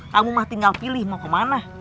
kamu mah tinggal pilih mau ke mana